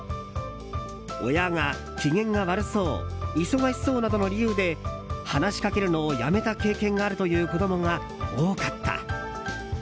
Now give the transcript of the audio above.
親が機嫌が悪そう忙しそうなどの理由で話しかけるのをやめた経験があるという子供が多かった。